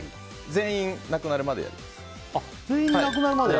全員なくなるまでやります。